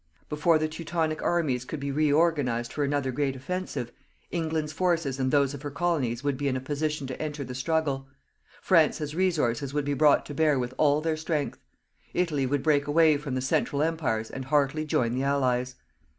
Before the Teutonic armies could be reorganized for another great offensive, England's forces and those of her Colonies would be in a position to enter the struggle; France's resources would be brought to bear with all their strength; Italy would break away from the Central Empires and heartily join the Allies.